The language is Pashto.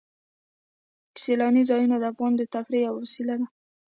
سیلاني ځایونه د افغانانو د تفریح یوه وسیله ده.